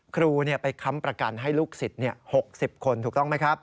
ครูไปค้ำประกันให้ลูกศิษย์๖๐คนถูกต้องไหมครับ